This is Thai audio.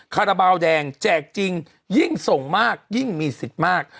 คาราบาลแดงแจกจริงยิ่งส่งมากยิ่งมีสิทธิ์มาก